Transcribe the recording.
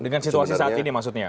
dengan situasi saat ini maksudnya